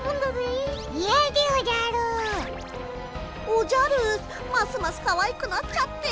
おじゃるますますかわいくなっちゃって。